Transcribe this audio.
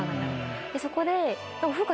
そこで。